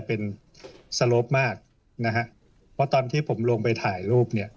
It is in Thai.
เป็นสโลปมากนะฮะเพราะตอนที่ผมลงไปถ่ายรูปเนี่ย